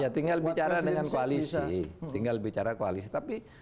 tinggal bicara dengan koalisi